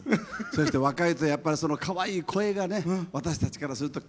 そして若いとやっぱりそのかわいい声がね私たちからするとキュンときますね。